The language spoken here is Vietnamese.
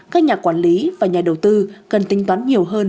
các nhà quản lý và nhà đầu tư cần tính toán nhiều hơn